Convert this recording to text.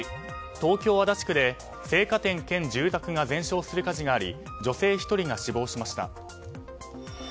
東京・足立区で生花店兼住宅が全焼する火事があり女性１人が死亡しました。